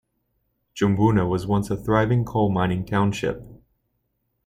Jumbunna was once a thriving coal mining township.